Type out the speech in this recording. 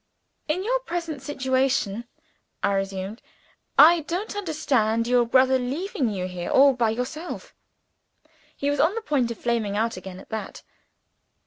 "In your present situation," I resumed, "I don't understand your brother leaving you here all by yourself." He was on the point of flaming out again at that.